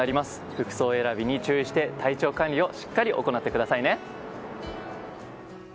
服装選びに注意して、体調管理をしっかり行ってくださいね。